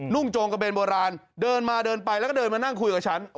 โจงกระเบนโบราณเดินมาเดินไปแล้วก็เดินมานั่งคุยกับฉัน